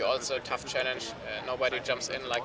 tapi pada akhirnya akan menjadi tantangan yang sukar